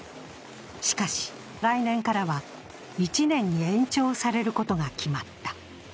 しかし、来年からは１年に延長されることが決まった。